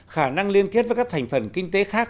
khả năng liên kết với các thành phần kinh tế khác